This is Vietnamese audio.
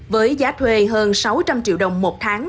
với giá thuê hơn sáu trăm linh triệu đồng một tháng